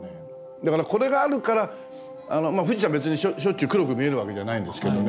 だからこれがあるから富士山別にしょっちゅう黒く見えるわけじゃないんですけどね。